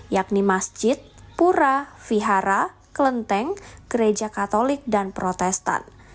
yakni masjid pura vihara kelenteng gereja katolik dan protestan